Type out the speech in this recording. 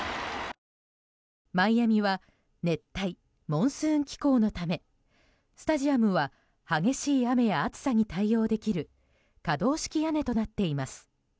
マイアミは熱帯モンスーン気候のためスタジアムは激しい雨や暑さに対応できる可動式屋根となっています。